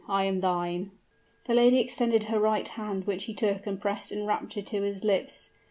I am thine!" The lady extended her right hand, which he took and pressed in rapture to his lips.